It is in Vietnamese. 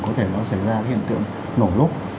có thể nó xảy ra cái hiện tượng nổ lúc